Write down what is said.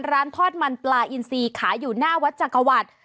ร้านทอดมันปลาอินซีขายอยู่หน้าวัดจักรวรรดิ